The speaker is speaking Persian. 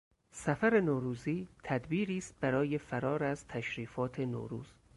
سفر نوروزی تدبیری است برای فرار از تشریفات نوروز.